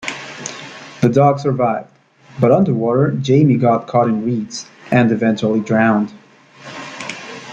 The dog survived, but underwater Jamie got caught in reeds and eventually drowned.